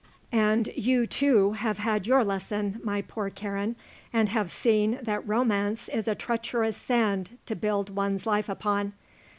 And you, too, have had your lesson, my poor Karen, and have seen that romance is a treacherous sand to build one's life upon.